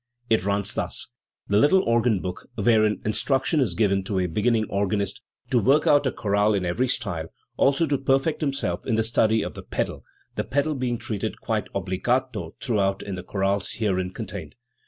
It runs thus: "The Little Organ Book, wherein instruction is given to a beginning organist to work out a chorale in every style, also to perfect himself in the study of the pedal, the pedal being treated quite obbligato throughout in the chorales herein con tained.